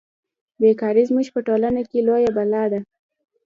بې کاري زموږ په ټولنه کې لویه بلا ده